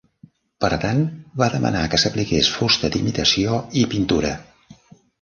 Per tant, va demanar que s'apliqués fusta d'imitació i pintura.